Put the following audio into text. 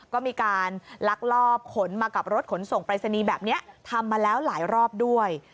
ก็มีการลักลอบขนมากับรถขนส่งปรายศนีย์แบบนี้ทำมาแล้วหลายรอบด้วย